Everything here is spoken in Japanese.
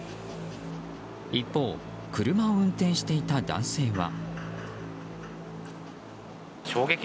一方、車を運転していた男性は。